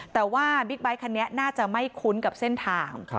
แต่ว่าบิ๊กไบท์คันนี้น่าจะไม่คุ้นกับเส้นทาง